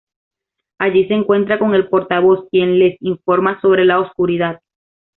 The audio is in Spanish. Allí se encuentran con el Portavoz, quien les informa sobre la Oscuridad.